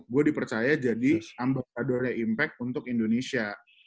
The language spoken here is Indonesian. gue dipercaya jadi ambaradornya impact untuk indonesia